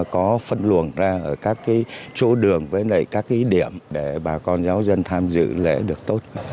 có phân luồn ra ở các cái chỗ đường với lại các cái điểm để bà con giáo dân tham dự lễ được tốt